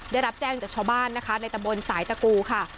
ได้รับแจ้งจากชาวบ้านนะคะในตะบนสายตะกูค่ะ